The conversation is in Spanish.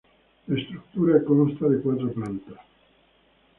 La estructura consta de cuatro plantas.